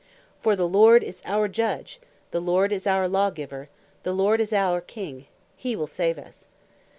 For the Lord is our Judge, the Lord is our Lawgiver, the Lord is our King, he will save us.